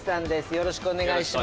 よろしくお願いします。